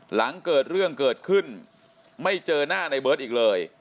หลังเกิดเรื่องเกิดขึ้นไม่เจอหน้าในเบิร์ตอีกเลย